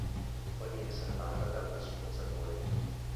Poi viene salvata da una sommozzatore.